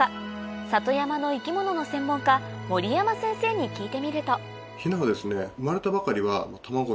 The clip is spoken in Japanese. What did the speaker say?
里山の生き物の専門家守山先生に聞いてみるとヒナはですね。